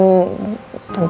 tante gak enak